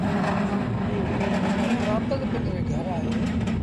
ائيٚݩ وآپس پنڊري گھر آيو۔